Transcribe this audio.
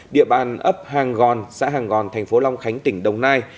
địa bàn ấp hàng gòn xã hàng gòn thành phố long khánh tỉnh đồng nai